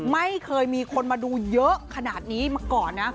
ไม่เคยมีคนมาดูเยอะขนาดนี้มาก่อนนะ